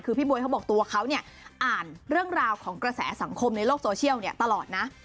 คือพี่บ๊วยเขาบอกตัวเขาเนี่ยอ่านเรื่องราวของกระแสสังคมในโลกโซเชียลตลอดนะ